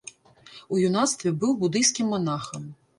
У юнацтве быў будыйскім манахам.